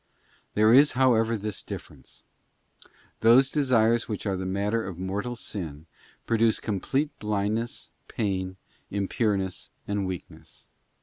There is, however, this difference: those desires which are matter of mortal sin produce complete blindness, pain, im pureness, and weakness.